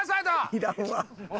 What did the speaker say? いらんわ。